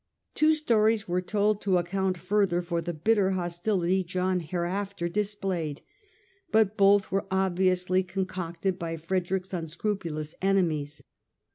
Two stories were told to account further for the bitter hostility John hereafter displayed, but both were obviously concocted by Frederick's unscrupulous enemies.